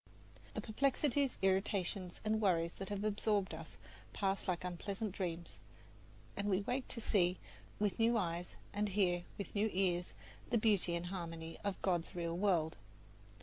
The perplexities, irritations and worries that have absorbed us pass like unpleasant dreams, and we wake to see with new eyes and hear with new ears the beauty and harmony of God's real world.